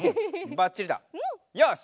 ばっちりだよし！